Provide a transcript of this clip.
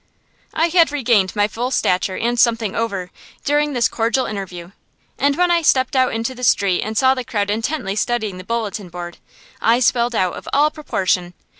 I had regained my full stature and something over, during this cordial interview, and when I stepped out into the street and saw the crowd intently studying the bulletin board I swelled out of all proportion.